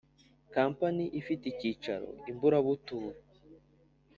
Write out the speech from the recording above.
Kampani ifite icyicaro i Mburabuturo